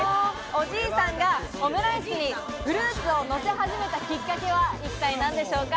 おじいさんがオムライスにフルーツをのせ始めたきっかけは、一体何でしょうか。